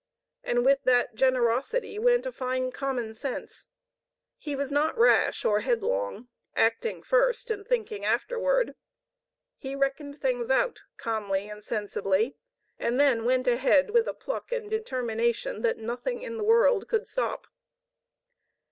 And with that generosity went a fine common sense. He was not rash or headlong, acting first and thinking afterward. He reckoned things out calmly and sensibly, and then went ahead with a pluck and determination that nothing in the world could stop.